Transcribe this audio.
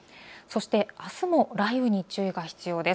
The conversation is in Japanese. あすも雷雨に注意が必要です。